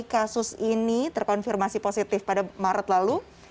setelah kali kasus ini terkonfirmasi positif pada maret lalu